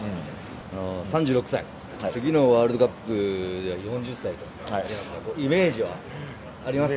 ３６歳次のワールドカップでは４０歳となります。